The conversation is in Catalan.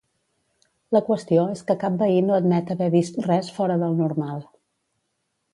La qüestió és que cap veí no admet haver vist res fora del normal.